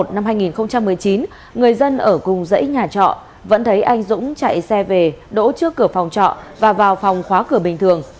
năm hai nghìn một mươi chín người dân ở cùng dãy nhà trọ vẫn thấy anh dũng chạy xe về đỗ trước cửa phòng trọ và vào phòng khóa cửa bình thường